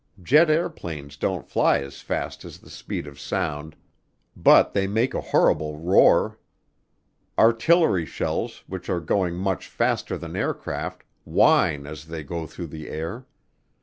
Jet airplanes don't fly as fast as the speed of sound but they make a horrible roar. Artillery shells, which are going much faster than aircraft, whine as they go through the air.